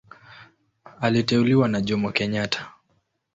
Aliteuliwa na Jomo Kenyatta.